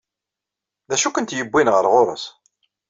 D acu i kent-yewwin ɣer ɣur-s?